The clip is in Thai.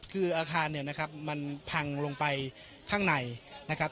คืออาคารเนี่ยนะครับมันพังลงไปข้างในนะครับ